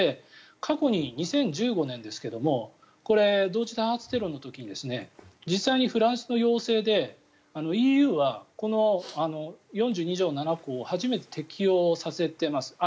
過去に２０１５年ですが同時多発テロの時に実際にフランスの要請でＥＵはこの４２条７項を初めて適用させています。